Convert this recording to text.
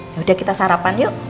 ya udah kita sarapan yuk